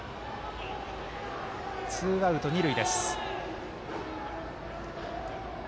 ツーアウト、二塁です。